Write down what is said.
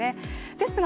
ですが